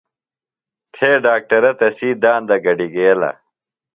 تھے ڈاکٹرہ تسی داندہ گڈیۡ گیلہ۔